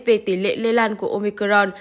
về tỷ lệ lây lan của ômicron